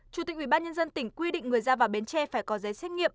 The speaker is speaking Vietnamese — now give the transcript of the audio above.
chủ tịch ubnd tỉnh quy định người ra vào bến tre phải có giấy xét nghiệm